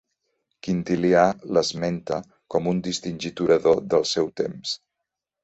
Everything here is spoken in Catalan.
Quintilià l'esmenta com un distingit orador del seu temps.